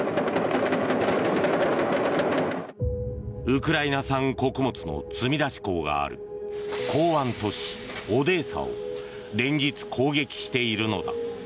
ウクライナ産穀物の積み出し港がある港湾都市オデーサを連日攻撃しているのだ。